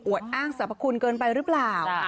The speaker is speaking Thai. อ้างสรรพคุณเกินไปหรือเปล่า